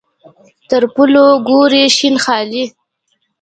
تر پلو ګوري شین خالۍ.